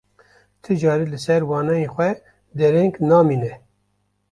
Ti carî li ser waneyên xwe dereng namîne.